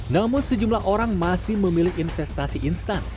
namun sejumlah orang masih memilih investasi instan